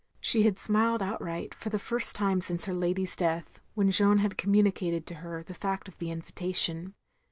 She had smiled outright, for the first time since her lady's death, when Jeanne had com mtmicated to her the fact of the invitation.